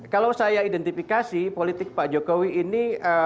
kalau saya identifikasi politik pak jokowi ini